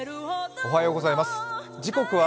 おはようございます。